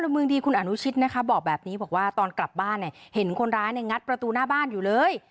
ในเมืองดีคุณอนุชิตบอกแบบนี้ว่าตอนกลับบ้านเห็นคนร้ายงัดประตูหน้าบ้านอยู่เลย